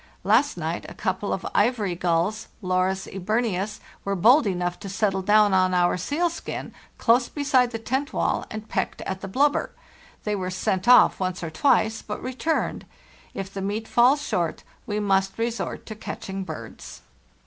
Last night a couple of ivory gulls (Larus eburneus), were bold enough to settle down on our sealskin, close beside the tent wall, and pecked at the blubber. They were sent off once or twice, but returned. If the meat falls short we must resort to catching birds."